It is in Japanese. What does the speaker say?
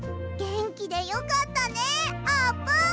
げんきでよかったねあーぷん！